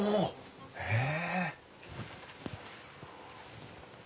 へえ。